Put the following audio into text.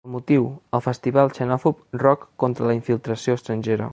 El motiu: el festival xenòfob ‘Rock contra la infiltració estrangera’.